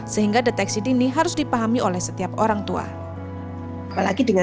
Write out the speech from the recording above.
sehingga deteksi dini harus dipahami oleh setiap orang tua